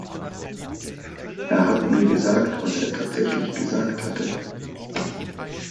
Er hat mir gesagt, was er tatsächlich gesagt hatte.